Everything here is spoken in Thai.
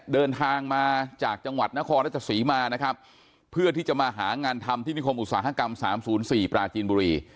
เดินทางมาจากจังหวัดนครรัชศรีมานะครับเพื่อที่จะมาหางานทำที่นิคมอุตสาหกรรม๓๐๔ปราจีนบุรี